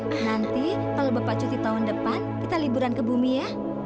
nah nanti kalau bapak cuti tahun depan kita liburan ke bumi ya